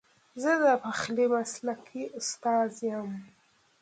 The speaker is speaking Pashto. زه د پخلي مسلکي استاد یم